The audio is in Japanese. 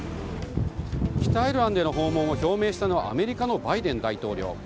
北アイルランドへの訪問を表明したのはアメリカのバイデン大統領。